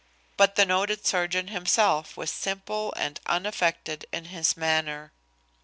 But the noted surgeon himself was simple and unaffected in his manner.